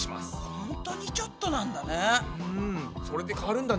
ほんとにちょっとなんだね。